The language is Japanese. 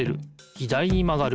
左にまがる。